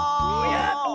やった！